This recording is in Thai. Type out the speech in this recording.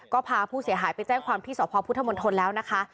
ก็พาผู้เสียหายไปแจ้งความที่สพพุทธมนตรแล้วนะคะ